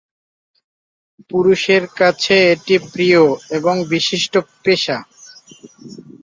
পুরুষের কাছে এটা প্রিয় এবং বিশিষ্ট পেশা।